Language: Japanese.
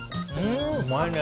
うまいね。